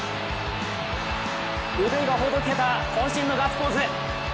腕がほどけた、こん身のガッツポーズ！